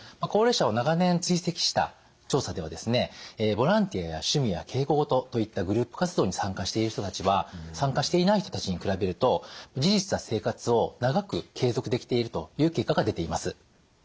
高齢者を長年追跡した調査ではですねボランティアや趣味や稽古事といったグループ活動に参加している人たちは参加していない人たちに比べると自立した生活を長く継続できているという結果が出ています。